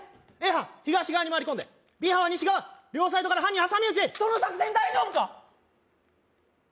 Ａ班東側に回り込んでＢ班は西側両サイドから犯人挟み撃ちその作戦大丈夫か？